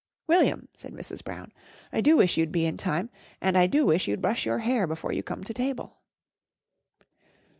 "William," said Mrs. Brown, "I do wish you'd be in time, and I do wish you'd brush your hair before you come to table."